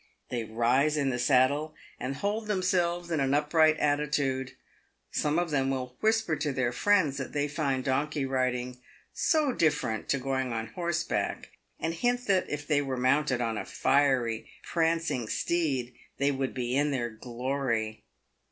They rise in the saddle, and hold themselves in an up right attitude. Some of them will whisper to their friends that they find donkey riding so different to going on horseback, and hint that, if they were mounted on a fiery, prancing steed, they would be in their glory.